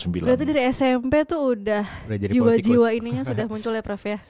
berarti dari smp itu sudah jiwa jiwa ininya sudah muncul ya prof ya